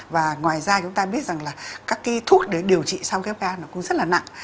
và ngoài ra chúng ta biết rằng là các cái thuốc để điều trị sau ghép ga nó cũng rất là nặng